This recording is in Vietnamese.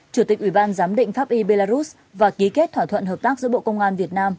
chủ tịch ủy ban giám định pháp y belarus và ký kết thỏa thuận hợp tác giữa bộ công an việt nam